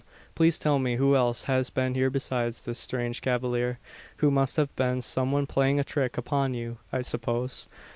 Please tell me who else has been here besides this strange cavalier; who must have been some one playing a trick upon you, I suppose."